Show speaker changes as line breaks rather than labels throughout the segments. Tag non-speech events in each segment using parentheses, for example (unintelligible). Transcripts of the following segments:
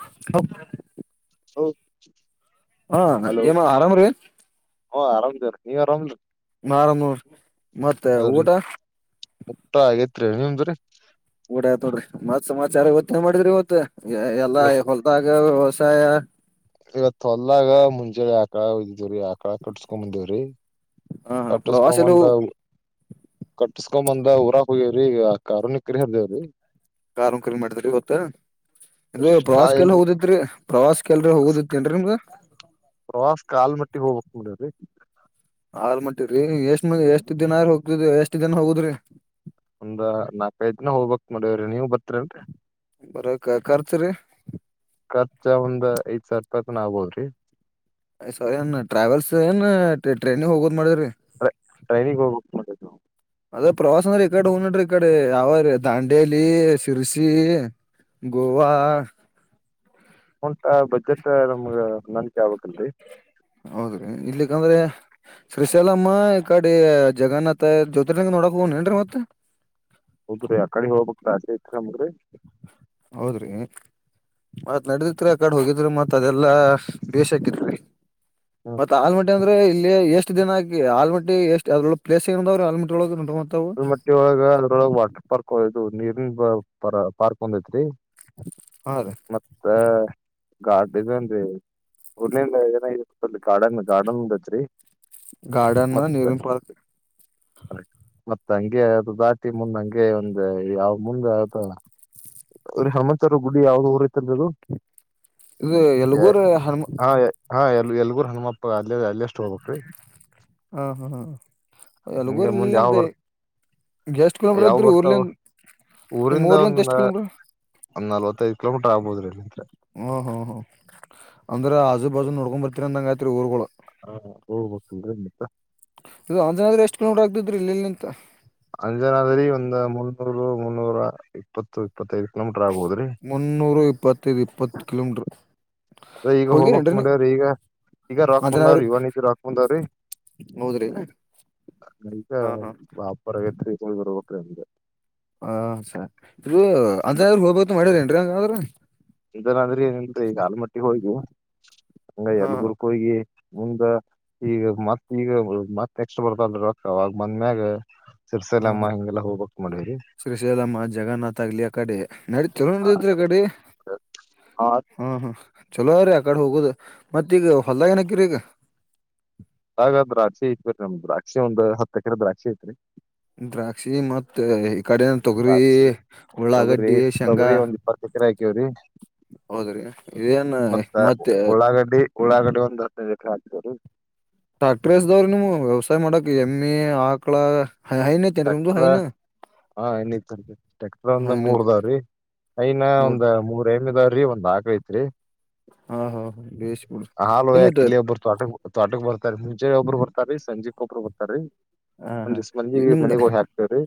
ಹಲ (unintelligible)
ಹೌ
ಹಾ ಏಮ್ಮ ಆರಾಮ್ರೀ
ಹಾ ಆರಾಮ್ೇ ರೀ ನೀವ ಆರಾಮ್ೇ
ನಾರನೂರ್ ಮತ್ತೆ ಊಟ
ನಿಮ್ದ್ರೀ
ಊಡತೋಡ್ರಿ ಮತ್ಾಚಾರ ಇತ್ತಿನ ಮಾಡಿದ್ರಿ ಇವತ್ತು ಎಲ್ಲಾ ಹೊಲ್ದಾಗ ವ್ಯವಸಾಯ
ಇವತೊಲ್ಾಗ ಮುಂಜಳೆ ಯಾಕಳ ಒ್ದವ್ರಿ ಯಕಳ ಕಟ್ಸ್ಕೊಂಡ ಬಂದೇವ್ರಿ
ಹ
ಕಟ್ಟಸ್್ಕೊ
ಪ್ರವಾಸ ಎಲ್ಲ
ಬಂದ ಕಟ್ಟಸ್್ಕೊಂಬಂದ ಊರಾಕ್ ಹೋಗ್ಯವ್ರಿ ಕಾರುನಕರಿ ಹಾರದೇವ್ರಿ
ಕಾರ ಕಲ್ ಮಾಡಿದ್ರ ಇವತ್ತು ಇದು
ನಾಳೆ ಎಲ್
ಪ್ರವಾಸಕ್ಕೆಲ್ ಹೋಗದಿತ್ರಿ ಪ್ರವಾಸಕ್ಕೆಲ್ರಿ ಹೋಗದಿತ್ತೇನ್ರಿ ನಿಮ್ಗ
ಪ್ರವಾಸ್ ಕಾಲ್ ಮಟ್ಟಿಗೆ ಹೋಗ್ಬೇಕಕ್ ನಡರಿ
ಹಾಲ್ ಮಾಟಿರಿೀ ಎಷ್ಟ ಮ ಎಷ್ಟ್ ದಿನಾರ ಹೋಗ್ತ ಎಷ್ಟ್ ದಿನ ಹೋಗುದ್ರಿ
ಒಂದ್ ನಾಲ್ಕೈಐ್ ದಿನ ಹೋಗ್ಬೇಕಕ್ ಮಾಡ್ಯವ್ರಿ ನೀವ್ ಬರ್
ಬರ ಖರ್ಚರಿ
ಖರ್ಚ ಒಂದ ಐದ್ ಸಾವಿರ ಇತ್ನ ಆಗ್ಬೋದ್ರಿ
ಯ್ ಸರಿ ಏನ್ ಟ್ರಾವೆಲ್ಸ್ ಏನ್ ಟ್ರೈನಿಗೆ ಹೋಗೋದ ಮಾಡಿದ್ರಿ
ಅದೇ ಟ್ರೈನ್ ಹೋಗಬೇಕು ಮಾಡುವ
ಅದ ಪ್ರವಾಸ ಅಂದ್ರೆ ಈ ಕಡೆ ಹೋಗ್ ನಡ್ರಿ ಈ ಕಡೆ ಯಾವ ರೀ ದಾಂಡೇಲಿ ಸಿರ್ಸಿ ಗೋವಾ
ಉಂಟಾ ಬಜೆಟ್ ನಮ್ಗ ನನ್ಕೆ ಆಬಕ್ಲ್ರಿ
ಹೌದ್ರಿ ಇಲ್ಲಿಕ್ಕಂದ್ರೆ ಶ್ರೀಶಾಲಮ್ಮ ಈ ಕಡೆ ಜಗನ್ನಾಥ ಜೊತೆಂಗ ನೋಡ ಹೋಗನ್ರಿ ಮತ್ತ
ಹೌದ್ರೀ ಆ ಕಡೆಿಗೆ ಹೋಗಬಕ್ ಆಚೆ ಐತ್್ರರಿ
ಹೌದ್ರಿ ಮತ್ ನಡದತ್ರಿ ಆ ಕಡೆ ಹೋಗಿದ್ರರು ಮತ್ ಅದೆಲ್ಲಾ ಬೇೇಶ್ ಹಾಕಿದಿ ಮತ್ತೆ ಆಲಮಟ್ಟ ಅಂದ್ರೆ ಇಲ್ಲಿ ಎಷ್ಟು ಎಷ್ಟ ದಿನ ಆಕಿಲ್ಮಟ್ ಎಷ್ಟ ಅದ್ರ ಪ್ೇಸ್ ಏ್ರರು ಆಲ್ಮಳ (unintelligible)
ಅಲ್ಮಟ್ಟಿ ಒಳಗ ಅದ್ರೊಳ ವಾಟರ್ ಪಾರ್ಕ್ ಇದು ನೀರ್ ಪ ಪಾರ್ಕ್ ಒಂದೈತ್ರಿ
ಹಾ ರೀ
ಮತ್ತೆ ಗಾರ್ ಇದನ್ರಿ ಉರ್ಲ್ಲಿಲ್ಲ ಏನ ಗಾರ್ಡನ್ ಗಾರ್ಡನ್ತ್ರಿ
ಗಾರ್ಡನ್ ನೀರು ಪಾರ್ಕ್
ಮತ್ತತ್ ಹಂಗೆ ಅ ದಾಟಿ ಮುಂದ್ ಹಂಗೆ ಒಂದು ಯಾವ ಮುಂದೆ ಯದ ಅವ್ರ ಹಮಂತರು ಗುಡಿ ಯಾವ್ದ ಊರ ಐತಲ್ದು
ಇದು ಎಲ್ಗೂರ್ ಹನುಮ
ಹಾ ಎ ಎಲ್ಗೂರ್ ಹನುಮಪ್ಪ ಅಲ್ಲಿ ಅಲ್ಲಿ ಅಷ್ಟು ಹೋಗಬಕ್ ರೀ
ಹಾ ಹ್ಮ್ ಹ
ಹಿಂಗ
ಎಲಗೂರಿ
ಮುಂದ್ ಯಾವ್
ಇಲ್ಲಿಂತೆ
ಬರ್
ಎಷ್ಟ್ ಕಿಲೋಮೀಟ್ರ
ಯಾವ್
ಇದ್ರ ಊರ್ಲಿ
ಬರ್ತಾವ
ನಿಮ ಊರ್ಲಿಂತ ಎಷ್ಟ್ ಕಿಲೋಮೀಟರ್
ಒನ ನಲವೈಐ ಕಲೋಮೀಟರ್ ಆಬುದದ ಇ ಅ
ಹಓ್ ಹ್ ಹ್ಮ್ ಅಂದ್ರೆ ಆಜು ಬಾಜು ನೋಡ್ಕೊಂಡ್ ಬರ್ತರಿ ಅಂದಂಗ ಆಯ್ತ್ರಿ ಊರ್ಗಳು
ಹಾ ಹೋಗ್ಬೇಕಲ್ರಿ ಮತ್ತ
ಇದು ಅಂಜನಾದ್ರ ಎಷ್ಟ್ ಕಿಲೋಮೀಡ್ರ ಆಗ್ತಿದ್ರಿ ಇಲ್ಲಿಲಿಂತ
ಅಂಜನಾದ್ರರಿ ಒಂದ್ ಮುನ್ನೂರು ಮುನ್ನೂರ ಇಪ್ಪತ್ತು ಇಪ್ಪತ್ತೈದು ಕಿಲೋಮೀಟರ್ ಆಗ್ಬೋದ್ರಿ
ತೂ ಇಪ್ಪತ್ತು ಕಿಲೋಮೀಟರು
ಈಗ ಹೋಗಬಕ್ ಮನ್ಯರಿಗ ಈಗ ರೋಕ್
ಅಂಜನಾದ್ರಿ
ಬಂದಾವ್ರಿ ಇವನ್ತಿ ರಾಕ್ ಬಂದಾವ್ರೀ
ಹೌದ್ರಿ
ನಗ
ಹಾ ಹಾ
ವಾಪರ ೈತ್ರಿ ಬರ್ಬಟ್ರಿ ಅಮಗೆ
ಹ ಸರಿ ಇ ಅಂತರು ಹೋಗ್ಬತ್ ಮಾಡ್ಯ್ರ ಏನ್ರಿ ಹಂಗ ಆದ್ರ
ಇದನಾದ್ರೆ ಏನ ಈಗ ಆಲ್ಮಟ್ಟಿಗೆ ಹೋಗಿ ಹಂಗ
ಹಾ
ಯಲ್ಗುರ್ಕ ಹೋಗಿ ಮುಂದ ಈಗ ಮತ್ ಈಗ ಮತ್ತ ಎಕ್ಸ್ಟ್ ಬರ್ತಲ್ರಿ ಅವಾಗ ಬಂದ್ಮ್ಯಾಗ
ಹಾ ಹಾ
ಸರ್ಸಲ್ಲಮ್ಮ ಹಿಗೆಲ್ಲ ಹೋಗ್ಕ್ ಮಾಡ್ಯರಿ
ನಡ ಚಲೋ ನಡದತ್ರಿ ಕಡೆ ಹಾ ಹಾ ಚಲೋ್ರೀ ಆ ಕಡೆ ಹೋಗೋುದು ಮತ್ತ ಈಗ ಹೊಲ್ದಾಗ ಏನಕರಿ ಈಗ
ಹಾಗ ದ್ರಾಕ್ಷಿ ಐತ್ರಿ ನಮ್ದ ದ್ರಾಕ್ಷಿ ಒಂದು ಹ ಕೆರೆ ದ್ರಾಕ್ಷಿ ಐತ್ರಿ
ದ್ರಾಕ್ಷಿ ಮತ್ತೆ ಕಡೆ ತೊಗರಿ
ದ್ರಾಕ್ಷಿ ತೊಗರಿ
ಉಳ್ಳಾಗಡ್ಡಿ ಶೇಂಗಾ
ತೊಗರಿ ಒಂದ್ ಇಪ್ಪತ್ತ ಎಕರೆ ಹಾಕಿವ್ರಿ
ಹೌದ್ರಿ ಇದೇನ್
ಮತ್ತ
ಮತ್ತೆ
ಉಳ್ಳಾಗಡ್ಡಿ ಉಳ್ಳಾಗಡ್ಡಿ ಒಂದು ಹದಿನೈದು ಎಕರೆ ಹಾಕ್ತೀವಿ ರೀ
ಟ್ರ್ಯಾಕ್ಟರ್ ಎಸ್ ಅದಾವರಿ ನಿಮವು ವ್ಯವಸಾಯ ಮಾಡಕ್ ಎಮ್ಮೆ ಆಕಳ ಕೆಂಗಲ್
ಟ್ರ್ಯಾಕ್ಟರ್
ಹೈನಾ
ಹಾ ಇನ್ನೂ ಇತ್ತು ಅದಕ್ಕೆ ಟ್ರ್ಯಾಕ್ಟರ್ ಒಂದು ಮೂರು
ಐತಿ
ಅದಾವ ರೀ ಐನಾ ಒಂದ್
ಒಟ್
ಮೂರ್ ಎಮ್ಮಿ ಅದಾವ್ರಿ ಒಂದ್ ಆಕಳ ಐತ್ರಿ
ಹಾ ಹಾ ಹಾ, ಬೇಸ್ ಬಿಡ್ರಿ
ಹಾಲ್
ಏನ
ವೈಯಾಕ್ ಇಲ್ಲೆ ಒಬ್ಬರು ತ್ವಾಟಕ್ ತ್ವಾಟಕ್ ಬರ್ತಾರ ರಿ ಮುಂಜೆಲ್ ಒಬ್ರು ಬರ್ತಾರೀ ಸಂಜೀಕ್ ಒಬ್ರು ಬರ್ತಾರ ರಿ
ಹಾ
ಒಂದಿಸು ಮಂದಿ ಮನಿಗ್ ಹೋಗಿ ಹಾಕ್ತೇವ್ರೀ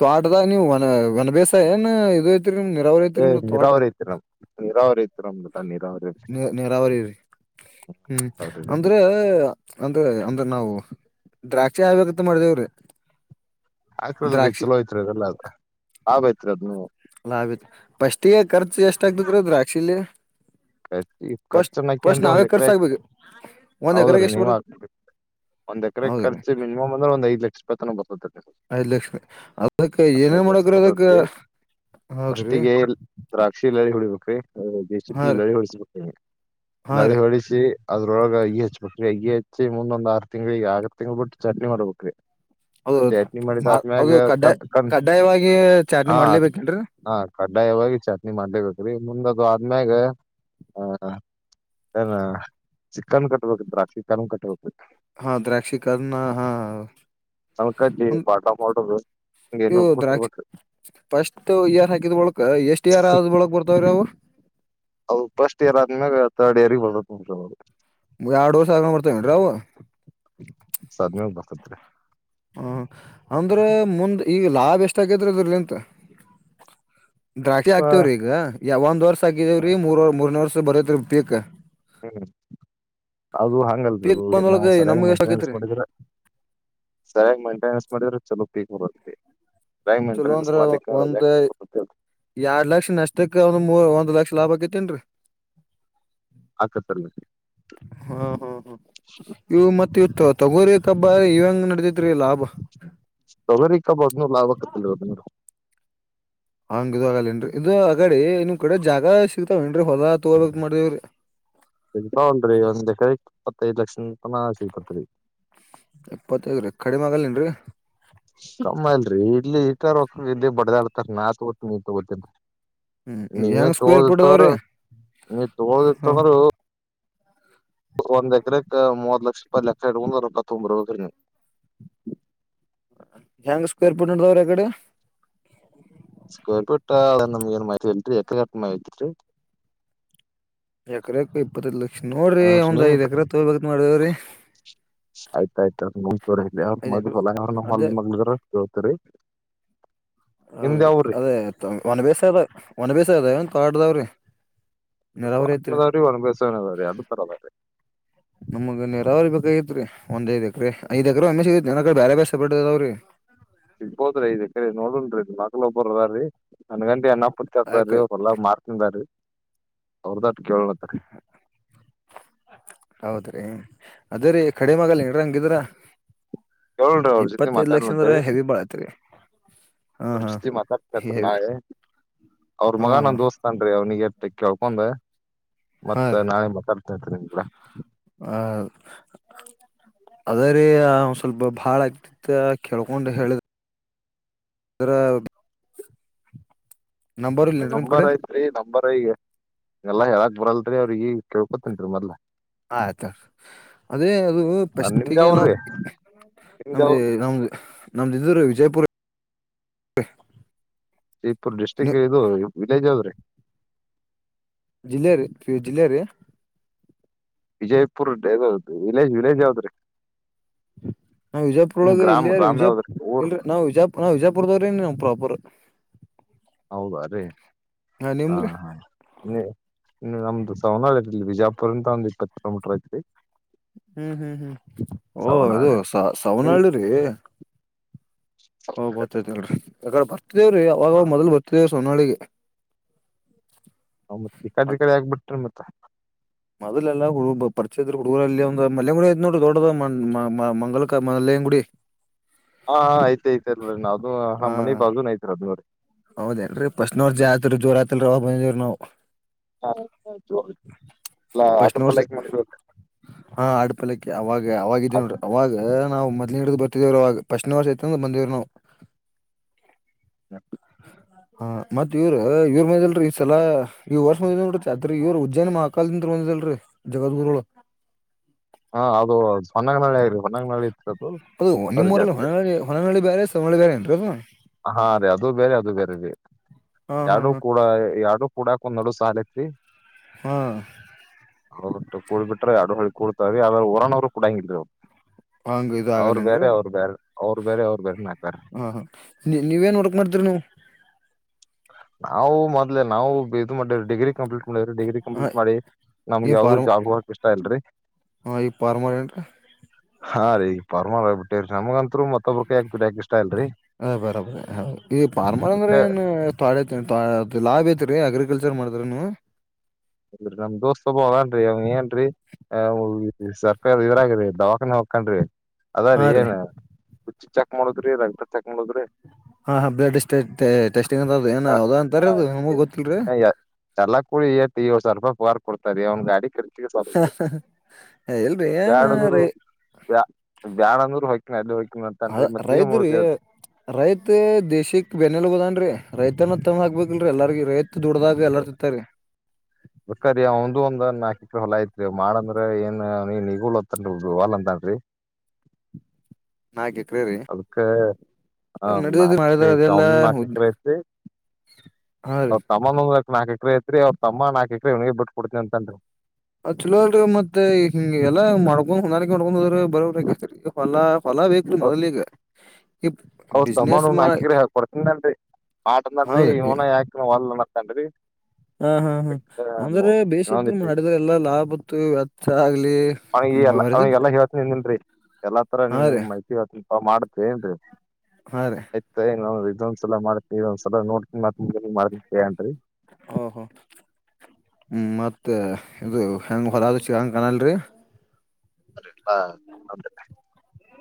ತ್ವಾಟದಾಗ ನೀವು ವನ ವನ್ ಬೇಸಾಯ ಏನ್ ಇದು ಐತ್ರಿ ನಿಮ್ ನೀರಾವರಿ ಐತ್ರಿ
ಹೇ
ನಿಮ್ದು ತೋಟ
ನೀರಾವರಿ ಐತ್ರಿ ನಮ್ದು ನೀರಾವರಿ ಐತ್ರಿ ನಮ್ದು ನೀರಾವರಿ ಐತ್ರಿ
ನೀ ನೀರಾವರಿ ರೀ ಹ್ಮ್ ಅಂದ್ರ ಅಂದ್ರ ಅಂದ್ರ ನಾವು ದ್ರಾಕ್ಷಿ ಹಾಕ್ಬೇಕಂತ ಮಾಡ್ದೇವ್ರಿ
ಹಾಕ್ರಲ್ರಿ ಚಲೋ ಐತ್ರಿ ಅದೇಲ್ಲ ಅದು ಲಾಭ ಐತ್ರಿ ಅದ್ನು
ಲಾಭ ಐತ್ರಿ ಫಸ್ಟ್ಗೆ ಖರ್ಚು ಎಷ್ಟಾಗತೈತಿ ರಿ ದ್ರಾಕ್ಷಿಲೀ
ಖರ್ಚ ಖರ್ಚನ್ನಕ ಏನ್ರಿ ಒಂದ್
ಖರ್ಚು
ಎಕ್ರೆ
ಹಾಕ್ಬೇಕ ಒಂದ್
ಹೌದ್ರಿ
ಎಕರೆಗೆ ಎಷ್ಟ್
ನೀವ್
ಬರತ್ತ
ಹಾಕ್ಬ ಒಂದ್ ಎಕ್ರೆ
ಹೌದ್ರಿ
ಖರ್ಚ ಮಿನಿಮಮ್ ಅಂದ್ರ ಒಂದ ಐದು ಲಕ್ಷ ರೂಪಾಯ ತನ ಬರ್ತೈತ್ರಿ ಅದು
ಐದು ಲಕ್ಷ ಅದಕ್ಕ ಏನೇನ್ ಮಾಡಬೇಕ್ರಿ ಅದಕ್ಕ
ಬರ್ತೈತ್ರಿ
ಹೌದ್ರಿ
ಫಸ್ಟಿಗೆ ದ್ರಾಕ್ಷಿಲ್ಲಲ್ಲಿ ಹೊಡಿಬೇಕ್ರಿ
ಹಾ ರೀ
ಗಳಿ ಹೊಡಿಸಬೇಕ್ರಿ
ಹಾ
ಗಳಿ
ರೀ
ಹೊಡಿಸಿ ಅದ ಒಳಗ ಅಗಿ ಹಚ್ಬೇಕ್ರಿ ಅಗಿ ಹಚ್ಚಿ ಮುಂದೊಂದ ಆರು ತಿಂಗಳಿಗೆ ಆರ್ ತಿಂಗಳ ತಿಂಗ್ಳ ಬಿಟ್ಟು ಚಾರ್ನಿ ಮಾಡ್ಬೇಕ್ರಿ
ಹೌದು
ಚಟ್ನಿ ಮಾಡಿದ
ಹೌದ್ರೀ
ಆದ್ಮ್ಯಾಗ
ಅದು ಕಡ್ಡಾಯ
ಕಣ್ ಕಣ್
ಕಡ್ಡಾಯವಾಗಿ ಚಾರ್ನಿ
ಹಾ
ಮಾಡ್ಲೇಬೇಕೇನ್ರೀ
ಹಾ ಕಡ್ಡಾಯವಾಗಿ ಚಾರ್ನಿ ಮಾಡ್ಲೇಬೇಕ್ರೀ ಮುಂದದು ಆದ್ಮ್ಯಾಗ ಹ ಚಿಕ್ಕನ್ ಕಟ್ಟಬೇಕರಿ ಚಿಕ್ಕನ್ ಕಟ್ಟಬೇಕು
ಹಾ ದ್ರಾಕ್ಷಿ ಕನ್ನ ಹಾ
ಅದು ಕಡ್ಡಿ
ಒಂದ್-
ಬಾಟಾ ಮಾಡೋದು ಹಿಂಗ ಏನ್
ಇವು ದ್ರಾಕ್ಷಿ
ನೋಡ್ಕೊತಿರ್ಬೇಕ್ರಿ
ಫಸ್ಟ್ ಇಯರ್ ಹಾಕಿದ್ ಹೊಳಕ್ ಎಷ್ಟ್ ಇಯರ್ ಆದ್ ಹೊಳಕ್ ಬರ್ತಾವ್ರೀ ಅವು
ಅವು ಫಸ್ಟ್ ಇಯರ್ ಆದ್ಮ್ಯಾಗ ಥರ್ಡ್ ಇಯರ್ ಗೆ ಬರ್ತಾವ ನೋಡ್ರಿ ಅವು
ಎರಡ್ ವರ್ಷ ಆದ್ಮೇಲೆ ಬರ್ತಾವೇನ್ರಿ ಅವು
ವರ್ಷ ಆದ್ಮೇಲೆ ಬರ್ತೆತ್ರಿ
ಹ ಅಂದ್ರೆ ಮುಂದ್ ಈಗ ಲಾಭ ಎಷ್ಟ ಐತೈತ್ರಿ ಅದೂರ್ಲಿಂತ ದ್ರಾಕ್ಷಿ ಹಾಕ್ತೀವ್ರೀಗ ಯಾವ ಒಂದ್ ವರ್ಷ ಹಾಕಿದೇವ್ರೀ ಮೂರ್ರ್ ಮೂರ್ನೇ ವರ್ಷ ಬರೋತ್ರಿ ಪೀಕ್
ಹ್ಮ್ ಅದು ಹಂಗಲ್
ಪೀಕ್
ರೀ ಅದು ನಾವು
ಬಂದೊಳಗ
ಸರಿಯಾಗಿ
ನಮ್ಗ್ ಎಷ್ಟ
ಮೈಂಟೆನೆನ್ಸ್
ಆಕೇತ್ರಿ
ಮಾಡಿದ್ರ ಸರಿಯಾಗಿ ಮೈಂಟೆನೆನ್ಸ್ ಮಾಡಿದ್ರ ಚಲೋ ಪೀಕ್ ಹಾ ಬರ್ತಿ
ಚಲೋ ಅಂದ್ರ ಒಂದ ಎರಡ್ ಲಕ್ಷ ನಷ್ಟಕ್ಕೆ ಒಂದ್ ಮೂ ಒಂದ್ ಲಕ್ಷ ಲಾಭ ಆಕ್ಕತೇನ್ರಿ
ಆಕತರ್ಲ್ಲ
ಹಾ ಹಾ ಹಾ ಇವು ಮತ್ತೆ ಇವು ತಗೋರಿ ಕಬ್ಬ ಇವಂಗ ನಡದ ಕರೆ ಲಾಭ
ತೊಗರಿ ಕಬ್ಬ ಅದನು ಲಾಭ ಆಕ್ಕತಿಲ್ಲ ಅದನು ರಿ
ಹಾಂಗ್ ಇದು ಆಗಲೇನ್ರಿ ಇದು ಅಗಡಿ ನಿಮ್ ಕಡೆ ಜಾಗ ಸಿಗ್ಕ್ತಾವ ಏನ್ರೀ ಹೊಲಾ ತೋಗಬೇಕು ಮಾಡೆವರೀ
ಸಿಗತಾವಲ್ರಿ ಒಂದ್ ಎಕರೆ ಇಪ್ಪತ್ತೈದ್ ಲಕ್ಷ ತನ ಸಿಗತೈತ್ರಿ
ಇಪ್ಪತ್ತೈದ ರೀ ಕಡಿಮೆ ಆಗಲ್ ಏನ್ರೀ
ಕಮ್ಮಿ ಆಯ್ತ್ ರಿ ಇಲ್ಲಿ ಇಟಾ ರೊಕ್ಕ ಇಲ್ಲಿ ಬಡ್ದಾಡ್ತಾರ ನಾ ತಗೋತಿನ ನೀ ತಗೋತಿನ್ ಅಂತ
ಹ್ಮ್ ಹೆಂಗ್
ನೀವೇನು
ಸ್ಕ್ವೇರ್
ತಗೊಳ್ಳೋದು
ಫೀಟ್
ಇತ್ ಅಂದ್ರ
ಅದಾವ್ರಿ
ನೀವು ತಗೊಳ್ಳೋದು ಇತ್ತು
ಹಾ
ಅಂದ್ರ ಒಂದ್ ಎಕರೆ ಕ್ಕಾ ಮೂವತ್ತು ಲಕ್ಷ ರೂಪಾಯಿದ್ದು ಲೆಕ್ಕಾ ಇಟ್ಕೊಂಡ ರೊಕ್ಕ ತಗೊಂಡ್ ಬರ್ಬೇಕು ರೀ ನೀವು (unintelligible)
ಹೆಂಗ ಸ್ಕ್ವೆೇರ್ ಫೀಟ್ ನಡದಾವರಿ ಆಕಡೆ
ಸ್ಕ್ವೇರ್ ಫೀಟ್ ಅಳಿಯದು ನಮಗ ಏನ್ ಮಾಹಿತಿ ಇಲ್ರಿ ಎಕರೆ ಅಟ್ಟ ಮಾಹಿತಿ ರಿ
ಎಕರೆಕ್ ಇಪ್ಪತ್ತೈದು ಲಕ್ಷ ನೋಡ್ರಿ
ರೀ
ಒಂದ್ ಐದ್ ಎಕ್ರೆ ತೋ ಬೇಕ ಮಾಡಿವ್ರೀ
ಆಯ್ತಾಯ್ತ ಅವ್ರ
ಐದ್ ಎಕರೆ
ಮಲ್ಲ ಅವ ನಮ್ಮ
ಅದೇ
ಹೊಲ ನೆ ಕೇಳ್ತರಿ
ಹೌದ್ರಿ ಅದೇ ಒನ್ ಬೇಸ ಅದ ಒನ್ ಬೇಸ ಅದ ಒ ತ ಆಡ್ದಾವ್ರಿ
ದಾವ್ರೀ ಒನ್ ಬಸನ್ ಅದಾವ್ರೀ ಅದು ತರದ್ರೆ
ನಮ್ಗ ನೀರಾವರಿ ಬೇಕಾಗಿತ್ರಿ ಒಂದ್ಐದ ಎಕ್ರ ಐ್ ಎಕ್ರ ಒಮ್ಮೆ ಸಿಗತಿ ನ ಕಡೆ ಬೇ ಬೇಸ ಬ ಬಿಡದಾವ್ರೀ
ಸಿಗ್ಬೋದ್ರಿ ಇ್ರ ನೋಡನ್ರಿ ಇ ಮಕ್ಲ್ ಒಬ್ಬರದ್ರೀ ನನ್ ಗಂಟ ಅಪ್ಪ ಟ್ಟೀ
ಆ
ಅವ್ರ ಎಲ್ಲಾ ಮಾರ್ತಿಂದ ರೀ ಅವ್ರ ದ
ಹೌದ್ರಿ ಅದೇ ರೀ ಕಡಿಮಾಗಲ್ಲ ನೀನ್್ರ ಹಂಗಿದ್ರ
ಕ್ರಿ ಅವ್ರ ಜೊತೆ
ಇಪ್ಪತ್ತೈದ್
ಮಾತಾಡ್
ಲಕ್ಷ ಅಂದ್ರ
ನಂತರಿ
ಹೆವಿ ಬಾಳ ಐತ್ರಿ ಹಾ
ಅವ್ರ
ಹಾ
ಜೊತೆ ಮಾತಾಡ್ತನತ್ ನೇ
ಹೇವಿ
ಅವ್ರ
ಹಾ
ಮಗ
ಹಾ
ನಂದ ದೋಸ್ತ್ನ್ೀ ಅವ್ನಿಗೆ ೆಕ್ಕೆ ಹೊಳ್ಕೊಂಡೆ
ಹಾ
ಮತ್ತೆ
ರೀ
ನಾಳೆ ಮಾತಾಡ್ತೀ ನಿಮ್ ಕೂಡ
ಆ ಅದ ರೀ ಒ ಸ್ವಲ್ಪ ಭಾಳ ಆಗ್ತಿತ್ತ ಕೇಳ್ಕೊಂಡು ಹೇಳಿದ ಅರ ನಿಮ್
ನಂಬರ್
ಕಡೆ
ಐತ್ರಿ ನಂಬರ್ ಈಗ ಎಲ್ಲಾ ಹೇಳಕ್ ಬರಲ್ರಿ ಅವ್ರ ಈ ಕೇಳ್ಕೊತನ್ರಿ ಮೊದ್ಲ
ಆಯ್ತು ಅದೇ ಅದು
ನಿಮ್ದ
ಪಫಸ್ಟ್ಿಗೆ ನಾವು
ಯಾವ್ರಿ ನಿಮ್ದ
ನಮ್ದ
ಯಾವ
ನಮ್ದ ನಮ್ದರು ವಿಜಯಪುರ
ಜೀಪುರ್ ಡಿಸ್ಟ್ರಿಕ್ ಇದು ವಿಲೇಜ್ ಆದದ್ರೀ
ಜಿಲ್ಲೆಯ ರ ಜಿಲ್ಲೆಯ ರೇ
ವಿಜಯಪುರ್ ಯದ್ದದು ವಿಲೇಜ್ ವಿಲೇಜ್ ಯಾವದ್ರೀ
ನಾ್ ವಿಜಯಪುರಳಗೆ
ಗ್ರಾಮ
ಇಲ್ಲಿಯೀ
ಗ್ರಾಮ
ವಿಜಯ
ಯಾವ್ದ್ರಿ ಊರ್
ಇಲ್ರಿ ನಾವು ವಿಜಾು ನಾ್ ವಿಜಯಾಪುರ್ದವ್ರಿನ್ ನಾ್ ಪ್ರಾಪರ್ ವಿಜಾಪುರ (inaudible)
ಹೌದ ರೀ ಹಾ ಹಾ ಇನ್ನು ನಮ್ದು ಸವನಳ ಇಲ್ಲಿ ವಿಜಾಪುರ್ ಅಂದ ಒಂದ ಇಪ್ಪತ್ತು ಕಿಲೋಮೀಟರ್ ಐತ್ರಿ
ಹ್ಮ್ ಹ್ಮ್ ಹ್ಮ್ ಓ
ಸವನಾಳ
ಇದು ಸ
ನಿಮ್
ಸವನಹಳ್ಳಿ ರರಿ ಹಓ
ಹ
ಗೊತ್ತೈತಿ ಹೇಳ್ರಿ ಯಕಡೆ ಬರ್ತಿದೇವ್ರಿ ಅವಾಗ ಮೊದಲ್ ಬರ್ತಿದೇವ್ರೀ ಸೊನ್ನಳಿಗೆ
ಹ ಮತ್ತ ಈ ಕಡಿ ಕಡೆ ಆಗ್ಬಿಟ್ರಿ ಮತ್ತ
ಮೊದಲೆಲ್ಲ ಹ ಪರಿಚಯ ಹುಡುಗರಲ್ಲಿ ಒ ಮ್ ನೋಡ ದೊಡ್ಡ ಮಲಕ ಮ ಂಗುಡಿ
ಹಾ ಆಯ್ತ ಐತ್ಲ್ರಿ ನ ಅದ ಹಾ ಮನಿ ಬಾಜೂುನ್ ಐತ್ರಿ ಅದ್ ನೋರಿ
ಹೌದೇಏನ್ರೀ ಫಸ್ಟ್ನವ್ರ ಜಾತ್ರು ಜೋರ ಆತಿಲ್ ಒಬವರು ನಾವವು
ಹ ಆತಯ್ತ ಎಲ್ಲ
ಫಸ್ಟ್ನ ವರ್ಷ
ಆಟೋಪಲ್ಲಕ ಮಾಡಬೇಕ
ಹಾ ಆಡ್ಪಲ್ಕ್ಕೆ ಅವಾಗ ಅವಾಗಿದ್ದೇ ನೋಡ ಅವಾಗ ನಾವು ಮತ್ತ ಡ ಬರ್ತಿದೇವರು ಅವಾಗ ಪಶ್ನ ವರ್ಷ ಐತಂದ ಬಂದೇವ್ರು ನಾವವು
ಅಮೇಲ್ (inaudible)
ಹಾ ಮತ್ ಇವ್ರು ಇವ್ರ ಮ್ಲ್ರಿ ಈ ಸಲ ಇವ ವರ್ಷ ಮಲ್ ಚಾತ್ರಿ ಇವ್ ಉಜ್ಜಯನ ಮಹಕಾಲ್ದಿಂದ ಲ್ರರಿ ಜಗದ್ಗುರುಗಳು
ಹಾ ಅದು ಹೊನ್ನಗ ನಳಿ ಆಐರಿ ಹೊನ್ನಗ ನಳ್ಳಿ
ಅದು ನಿಮ್ಮೂರಲ್ಲಿ ಹೊಿ ಹೊನಹಳ್ಳಿ ಬೇರೆ ಸವಳ್ಳಿ ಬೇರೆ ಅಂತ
ಹಾ ರೀ ಅದು ಬೇರೆ ಅದು ಬೇರೆ ರೀ
ಹಾ ಹಾ
ಎರಡು
ಹಾ
ಕೂಡ ಎರಡು ಕೂಡ ಒಂದ ನಡು ಸಾಲ ಐತ್ರಿ
ಹಾ
ಹ ಬಿಟ್ಟ ಕೂ ಬಿಟ್ರೆ ಅಡು ಹುಿ ಕೂಡ್ತಾವ್ರ ಆದ್ರ ಒರೋ್ರು ಕಡಂಗಲ್ರಿ ಅವರು
ಹಂಗ ಇದು
ಅವರು
ಆಗಲ್ಲೇನ್ರಿ
ಬೇರೆ ಅವರು ಬೇರೆ ಅವರು ಬೇರೆ ಅವರು ಬೇರೆ ನ
ಹಾ ಹಾ ನೀ ನೀವೇನ್ ಹಡಕ್ ಮಾಡತರಿ ನೀ
ನಾವು ಮೊದ್ಲೆ ನಾವು ಇದ ಮಾಡೇ ಡಿಗ್ರಿ ಕಂಪ್ಲೀಟ್ ಡಿಗ್ರಿ
ಹ
ಕಂಪ್ಲೀಟ್ ಮಾಡಿ ನಮ್ಗ್ ಯಾವ್ದ್ ಜಾಬ್ ಹೋಗಕ್ ಇಷ್ಟ ಇಲ್ರರಿ
ಹಾ ಈ ಪಾರಮನೆಂಟ
ಹಾ ರೀ ಈ ಪರಮ ಆಗ್ ಬಿಟ್ಟೇ ರೀ ನಮಗಂತತ್ರು ಮತ್ತೊಬ್ಬಕ ಆಗ್ತತಿರಿ ಯಾಕಷ್ಟ
ಹ ಬರಬರ ಈ ಪಾರ್ಮಳ
ಅದಕ್ಕ
ಅಂದ್ರೆ ಏನ್ ಪಾ ಲಾಭ ಐತ್ರಿ ಅಗ್ರಿಕಲ್ಚರ್ ಮಾಡದ್ರ ನೀ
ಇಲ್ರಿ ನಮ್ ದೋಸ್ತ್ ಹಬ್ಬ ಅದಏನ್ರರಿ ಅವನ ಏನ್ರರಿ ಆ ಸರ್ಕಾರ ಇವರಗ್ರರಿ ದವಾಖಾನ ಹಕಂಡ್ರಿ ಅದ ರೀ ಏನ್ ಹುಚ್ಚಿ ಚೆಕ್ ಮಾಡದ್ರಿ ರಕ್ತ ಚೆಕ್ ಮಾಡದ್ರಿ
ಹಾ ಹಾ ಬ್ಲಡ್ ಟೆಸ್ಟಿಂಗ್ ಅಂತ ಏನ ಯಾವದ ಅಂತರದು ನಮಗು ಗೊತ್ತಿಲ್ರರಿ
ಚಲ ಕೂಳ ತಿ ಇವ್ ಸ್ವಲ್ಪ ವರ್ ಕೊಡ್ತಾರೆ ಅವ್ ಗಾಡಿ ಕ ಸ್ವಾತಂತ್ರ
ಇಲ್ರಿ ಏನ್
ಬ್ಯಾಡನೂರು
ರೈ
ಬ್ಯಾಡನೂರು ಹ
ಅ ರೈತ ರೈತ ದೇಶಕ್ ಬೆನಲ್ ಹೋದನ್ರಿ ರೈತನ ತಮ್ಮ ಹಕ್ಬೇಕಲ್ರರಿ ಎಲ್ಲಾರ್ಗ ರೈತ್ ದುಡದಾಗ ಎಲ್ಲಾರ್ ತಿತ್ತರಿ
ಬಕಾರಿ ಒಂದ ಒಂದನ್ಾಕ ಹೊಲ ಐತ್ರಿ ಮಾಡಂದ್ರ ಏನ್ ನೀನ್ ಹಗತ್ತನ್ ಹೊಲ್ ಅಂತ (inaudible)
ನಾಕ್ ಎಕರೆ ರೀ
ಅದಕ್ಕೆ ಆ ನ
ನಡದಿದ್ ಮಾಡಿದ್ರ
ಕ ಅವ
ಅದೆಲ್ಲಾ
ನ ಕ್ರಿಸಿ
ಹಾ
ಅವ್ರ ತಮ್ಮನೊಂದ್ಾಕ್ ನಾಕ ಎಕರೆ ಐತ್ರಿ ಅವ್ರ ತಮ್ಮ ನಾಕ ಎಕರೆ ಒಣಗ್ ಬಿಟ್ಟಿ ಕೊಡ್ತೀನ ಅಂತನ್ರಿ
ಆ ಚಲೋ ಮತ್ತೆ ಹ ಎಲ್ಲಾ ಮ್ಕೊಂಡ್ ಹೊಂದಾಣಿಕೆ ಮಡ್ಕೊಂಡ್ ಹದ್ರೆ ಬರ ಈಗ ಹೊಲ ಹೊಲಾವಕ್ು ಮೊದಲಿಗೆ
ಹೌದ ಅಮ್ಮನ ನಾಕಿಗ್ರ ಹಾಕ್ ಕೊಡ್ತೀನಿನ್ರಿ ಆಟ ನಡ್ರಿ
ಹೌದ್ರಿ
ಇನ ಯಾಕ ಹೊಲ್ತನ್ರಿ
ಹಾ ಹಾ ಹಾ ಅಂದ್ರೆ ಬೇಸದ
ಇನ್ನೊಂದಿಟ್ಟ
ಮಾಡಿದ್ರ ಎಲ್ಲಾ ಲಾಭ ಇತ್ತು ವ್ಯಚ್ಚ ಆಗ್ಲಿ
ಈಲ್ಲ
ಬರ್ತತ್ರಿ
ಅವಿಗೆಲ್ಲ ಹೇ ಎಲ್ಲಾ ತರ
ಹಾ
ನೀಂಗ
ರೀ
ಮೈತಿಲ್ಪ ಮಾಡ್ತ ಏನರಿ
ಹಾ ರೀ
ಆಯ್ತ ಇದೊಂದ್ಸಲ ಮಾಡ್ತ ಇದೊಂದ್ಲ ನೋಡ್ಕಿತ್ ಮಾಡನ್ರಿ
ಹಓ ಹೋ ಹ್ಮ್ ಮತ್ತೆ ಇದು ಹೆಂಗ ಹೊರದು ಚಕ್ಕ ಹಂಗ್ ಕನಲ್ರಿ
ಹಾ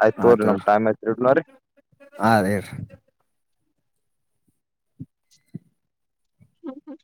ಆಯ್ತ ತೋರಿ ನಮ ಟೈಮ್ ಆಯ್ತ್ ಇಡ ನೋ್ರರಿ
ಆ
ಹ್ಮ್ ಹ್ಮ್ ಹ್ಮ